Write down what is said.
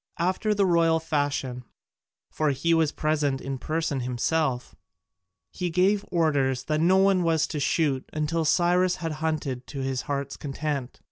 After the royal fashion for he was present in person himself he gave orders that no one was to shoot until Cyrus had hunted to his heart's content.